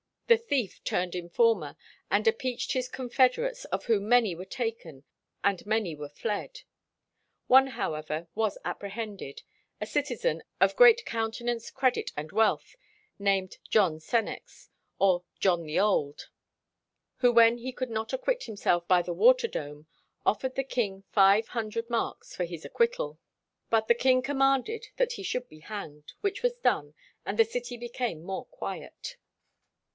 The thief turned informer, and "appeached his confederates, of whom many were taken and many were fled." One, however, was apprehended, a citizen "of great countenance, credit, and wealth, named John Senex, or John the Old, who, when he could not acquit himself by the water dome, offered the king five hundred marks for his acquittal; but the king commanded that he should be hanged, which was done, and the city became more quiet."